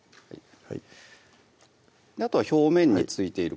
はいあとは表面に付いている